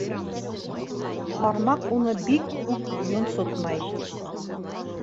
Хармаҡ уны бик үк йонсотмай.